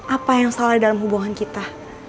apa yang salah dalam hubungan kita